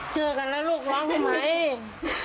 เจอกันแล้วลูกว้างไหม